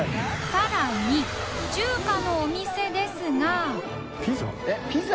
さらに中華のお店ですがピザ？